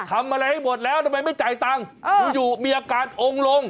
ทำไมไม่จ่ายตังค์อยู่อยู่มีอาการองค์ลง